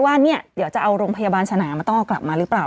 ว่าเนี่ยเดี๋ยวจะเอาโรงพยาบาลสนามมันต้องเอากลับมาหรือเปล่า